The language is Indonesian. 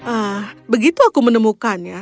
ah begitu aku menemukanmu